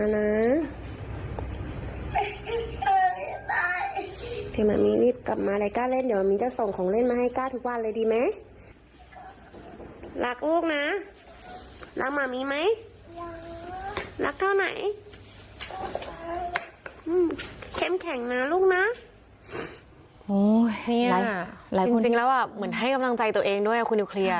เฮียจริงแล้วเหมือนให้กำลังใจตัวเองด้วยคุณนิวเคลีย